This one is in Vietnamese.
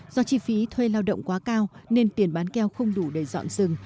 do chi phí thuê lao động quá cao nên tiền bán keo không đủ để dọn rừng